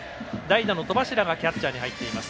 代打の戸柱がキャッチャーに入っています。